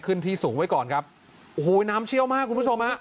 ขึ้นที่สูงไว้ก่อนครับโอ้โหน้ำเชี่ยวมากคุณผู้ชมฮะ